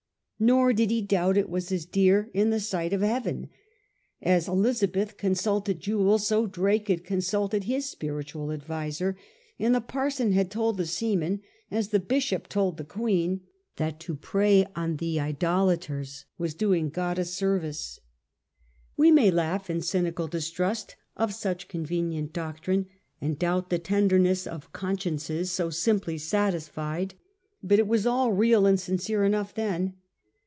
Nor did he doubt it was as dear iiL the sight of Heaven. As Elizabeth consulted Jewell, so Drake had consulted his spiritual adviser, and the parson had told the seaman, as the bishop told the Queen, that to prey on the idolaters was doing God a service. We may laugh in cynical distrust of such convenient doctrine, and doubt the tenderness of consciences so simply satis fied ; but it was all real and sincere enough then.